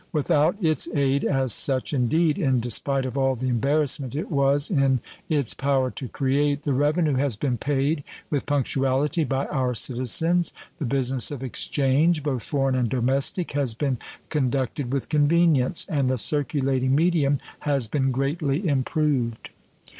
Without its aid as such, indeed, in despite of all the embarrassment it was in its power to create, the revenue has been paid with punctuality by our citizens, the business of exchange, both foreign and domestic, has been conducted with convenience, and the circulating medium has been greatly improved.